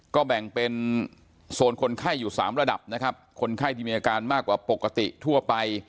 ก็แบ่งเป็นโซนคนไข้อยู่สามระดับนะครับคนไข้ที่มีอาการมากกว่าปกติทั่วไป